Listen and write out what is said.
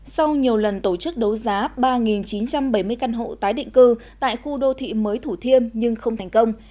sau nhiều lần tổ chức đấu giá ba chín trăm bảy mươi căn hộ tái định cư tại khu đô thị mới thủ thiêm nhưng không thành công